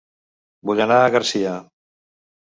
Vull anar a Garcia